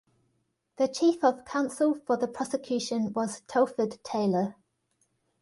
The Chief of Counsel for the Prosecution was Telford Taylor.